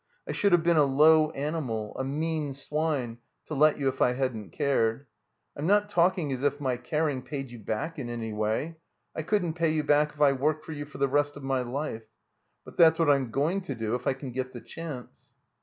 I shotdd have been a low animal, 324 THE COMBINED MAZE a mean swine to let you if I hadn't cared. I'm not talking as if my caring paid you back in any way. I couldn't pay you back if I worked for you for the rest of my life. But that's what I'm going to do if I can get the chance."